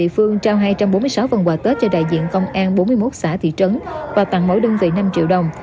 phương trao hai trăm bốn mươi sáu phần quà tết cho đại diện công an bốn mươi một xã thị trấn và tặng mỗi đơn vị năm triệu đồng